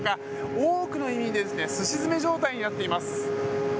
多くの移民ですし詰め状態になっています。